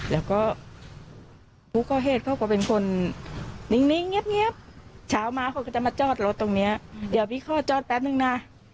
แล้วก็ผู้ก่อเหตุเขาก็เป็นคนนิ่งเงียบเช้ามาเขาก็จะมาจอดรถตรงเนี้ยเดี๋ยวพี่ขอจอดแป๊บนึงนะ